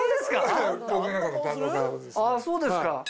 そうですか。